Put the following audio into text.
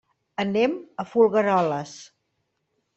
Anem a Folgueroles.